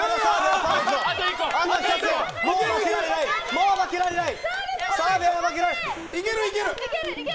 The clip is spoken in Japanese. もう負けられない！